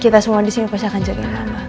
kita semua disini pasti akan jadi